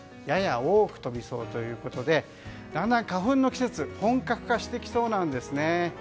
やや多く飛びそうということでだんだん花粉の季節が本格化してきそうなんです。